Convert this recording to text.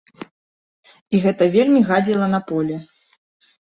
І гэта вельмі гадзіла на поле.